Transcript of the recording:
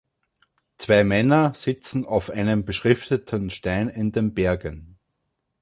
zwei Männer sitzen auf einem beschrifteten Stein in den Bergen.